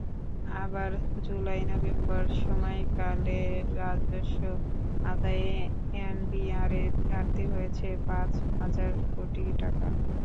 আবার জুলাই-নভেম্বর সময়কালে রাজস্ব আদায়ে এনবিআরের ঘাটতি হয়েছে পাঁচ হাজার কোটি টাকা।